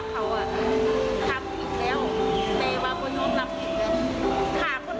ทำไมไม่ฟ่าได้เรียน